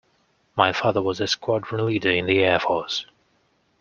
My father was a Squadron Leader in the Air Force